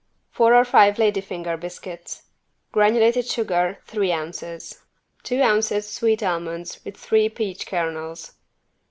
Four or five lady finger biscuits. Granulated sugar, three ounces. Two ounces sweet almonds with three peach kernels.